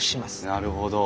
なるほど。